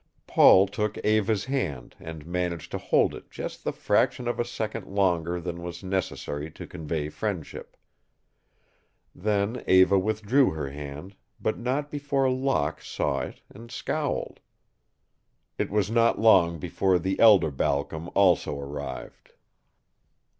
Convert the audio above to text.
Paul took Eva's hand and managed to hold it just the fraction of a second longer than was necessary to convey friendship. Then Eva withdrew her hand, but not before Locke saw it and scowled. It was not long before the elder Balcom also arrived.